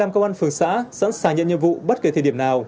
hai mươi năm công an phường xã sẵn sàng nhận nhiệm vụ bất kỳ thời điểm nào